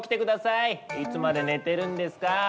いつまで寝てるんですか？